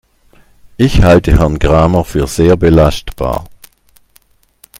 Ich halte Herrn Kramer für sehr belastbar.